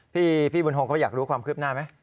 พี่บุญทงเขาอยากรู้ความคืบหน้าไหม